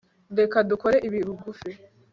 Reka dukore ibi bigufi